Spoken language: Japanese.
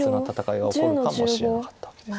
起こるかもしれなかったわけです。